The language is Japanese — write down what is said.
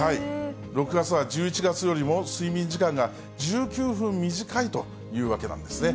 ６月は１１月よりも睡眠時間が１９分短いというわけなんですね。